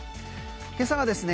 今朝はですね